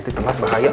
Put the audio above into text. itu tempat bahaya